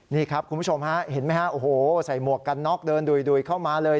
นี่ครับคุณผู้ชมฮะเห็นไหมฮะโอ้โหใส่หมวกกันน็อกเดินดุยเข้ามาเลย